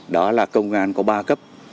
đó là công an có ba cấp